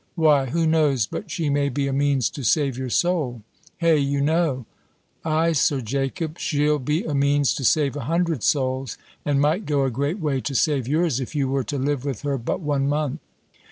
Why, who knows but she may be a means to save your soul! Hey, you know!" "Ay, Sir Jacob, she'll be a means to save a hundred souls, and might go a great way to save yours if you were to live with her but one month."